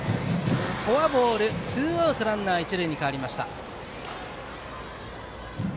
フォアボールツーアウトランナー、一塁に変わりました。